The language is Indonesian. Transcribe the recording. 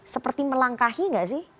seperti melangkahi enggak sih